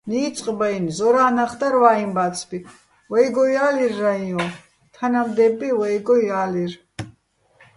ნიწყ ბაჲნი̆, ზორა́ჼ ნახ დარ ვაჲ ბა́ცბი, ვაჲგო ჲა́ლირ რაიოჼ, თანამდე́ბბი ვაჲგო ჲა́ლირ.